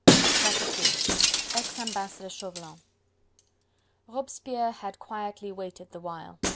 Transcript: Chapter III: Ex Ambassador Chauvelin Robespierre had quietly waited the while.